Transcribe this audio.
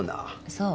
そう。